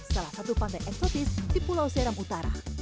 salah satu pantai eksotis di pulau seram utara